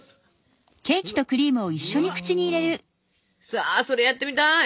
さあそれやってみたい！